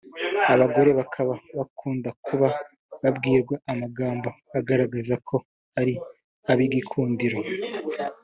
Abagore bakaba bakunda kuba babwirwa amagambo agaragaza ko ari abigikundiro